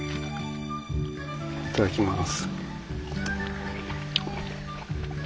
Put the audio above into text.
いただきます。